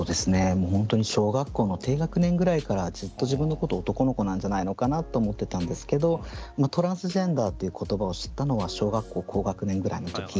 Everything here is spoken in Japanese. もう本当に小学校の低学年ぐらいからずっと自分のことを男の子なんじゃないのかなと思ってたんですけどトランスジェンダーっていう言葉を知ったのは小学校高学年ぐらいの時。